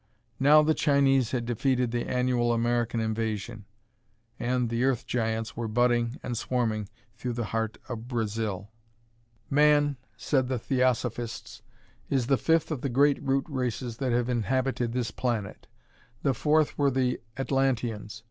Now the Chinese had defeated the annual American invasion, and the Earth Giants were budding and swarming through the heart of Brazil. "Man," said the Theosophists, "is the fifth of the great root races that have inhabited this planet. The fourth were the Atlanteans.